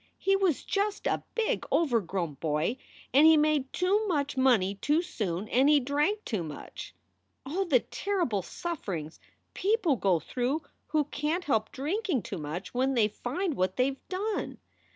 He was just a big, overgrown boy, and he made too much money too soon, and he drank too much. Oh, the terrible sufferings people go through who can t help drinking too much when they find what they ve done.